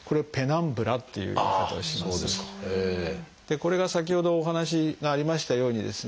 これが先ほどお話がありましたようにですね